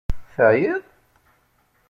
Teεyiḍ?